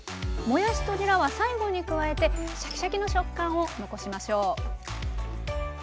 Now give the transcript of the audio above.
もやしとにらは最後に加えてシャキシャキの食感を残しましょう。